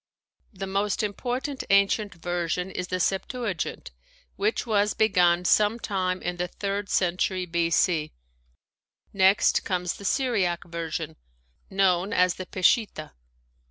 The most important ancient version is the Septuagint, which was begun some time in the third century B.C. Next comes the Syriac Version, known as the Peshitta.